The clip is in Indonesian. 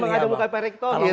ada muka pak erick thohir